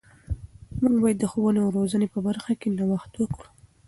موږ باید د ښوونې او روزنې په برخه کې نوښت وکړو.